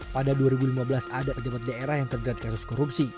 pada dua ribu lima belas ada pejabat daerah yang terjerat kasus korupsi